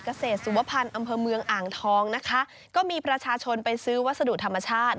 เกษตรสุวพันธ์อำเภอเมืองอ่างทองนะคะก็มีประชาชนไปซื้อวัสดุธรรมชาติ